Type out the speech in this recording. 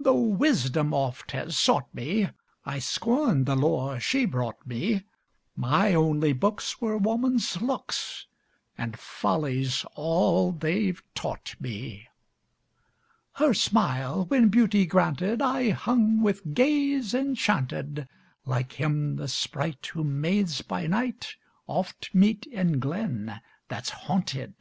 Tho' Wisdom oft has sought me, I scorned the lore she brought me, My only books Were woman's looks, And folly's all they've taught me. Her smile when Beauty granted, I hung with gaze enchanted, Like him the Sprite, Whom maids by night Oft meet in glen that's haunted.